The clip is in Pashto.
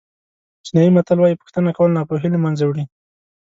چینایي متل وایي پوښتنه کول ناپوهي له منځه وړي.